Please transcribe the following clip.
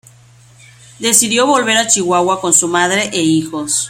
Decidió volver a Chihuahua con su madre e hijos.